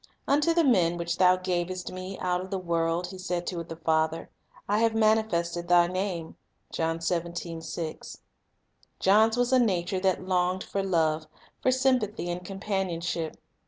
"Unto the men which Thou gavest Me out of the world," He said to the Father, "I have manifested Thy name." 2 John's was a nature that longed for love, for sym pathy and companionship.